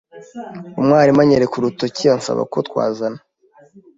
Umwarimu anyereka urutoki ansaba ko twazana.